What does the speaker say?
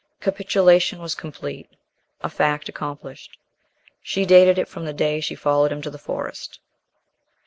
Capitulation was complete, a fact accomplished. She dated it from the day she followed him to the Forest.